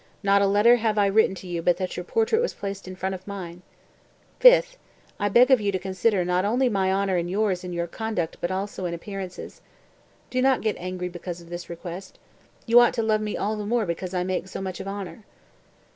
Not a letter have I written to you but that your portrait was placed in front of mine. "5to, I beg of you to consider not only my honor and yours in your conduct but also in appearances. Do not get angry because of this request. You ought to love me all the more because I make so much of honor."